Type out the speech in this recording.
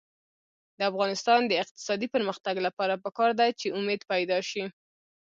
د افغانستان د اقتصادي پرمختګ لپاره پکار ده چې امید پیدا شي.